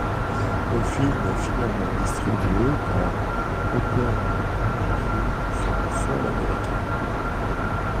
Le film est finalement distribué par Open Road Films sur le sol américain.